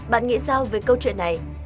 bạn nghĩ sao về câu chuyện này